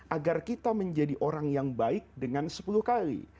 agar kita menjadi orang yang baik dengan sepuluh kali